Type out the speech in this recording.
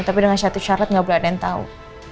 tapi dengan satu syarat gak boleh ada yang tau